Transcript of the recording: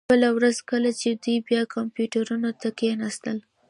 بله ورځ کله چې دوی بیا کمپیوټرونو ته کښیناستل